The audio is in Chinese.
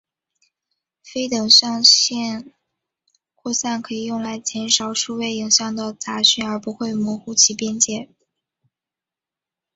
非等向性扩散可以用来减少数位影像的杂讯而不会模糊其边界。